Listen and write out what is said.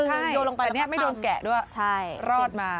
ใช่แต่นี่ไม่โดนแกะด้วยรอดมา